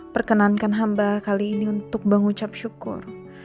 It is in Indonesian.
perkenankan hamba kali ini untuk mengucap syukur